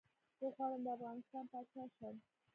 زه غواړم ده افغانستان پاچا شم